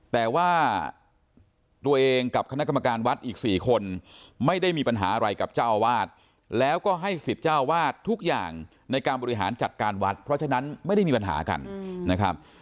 แต่ว่าตัวเองกับคณะกรรมการวัดอีก๔คนไม่ได้มีปัญหาอะไรกับเจ้าอาวาสแล้วก็ให้สิทธิ์เจ้าวาดทุกอย่างในการบริหารจัดการวัดเพราะฉะนั้นไม่ได้มีปัญหากันนะครับ